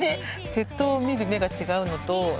鉄塔を見る目が違うのとハッハ！